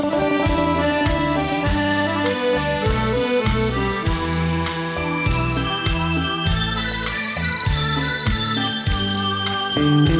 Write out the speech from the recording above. เพลง